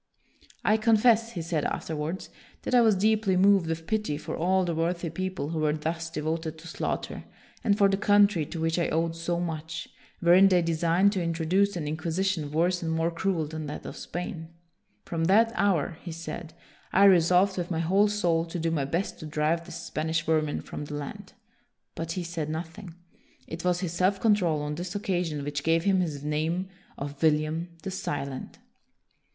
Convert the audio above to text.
" I confess," he said afterwards, " that I was deeply moved with pity for all the worthy people who were thus devoted to slaughter, and for the country, to which I owed so much, wherein they designed to introduce an in quisition worse and more cruel than that of Spain. From that hour," he said, " I resolved, with my whole soul, to do my best to drive this Spanish vermin from the land." But he said nothing. It was his self control on this occasion which gave him his name of William the Silent.